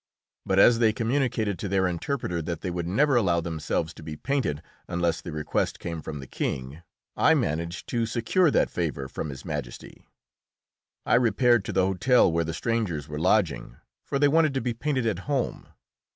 But as they communicated to their interpreter that they would never allow themselves to be painted unless the request came from the King, I managed to secure that favour from His Majesty. I repaired to the hotel where the strangers were lodging, for they wanted to be painted at home.